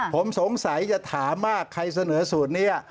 ผมสงสัยจะถามว่าใครเสนอสูตรนี้